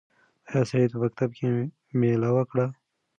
آیا سعید په مکتب کې مېله وکړه؟